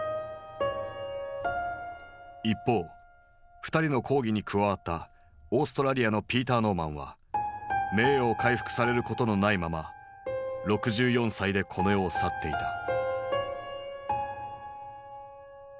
一方２人の抗議に加わったオーストラリアのピーター・ノーマンは名誉を回復されることのないまま６４歳でこの世を去っていた。